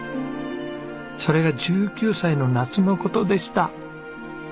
それが１９歳の夏の事でした。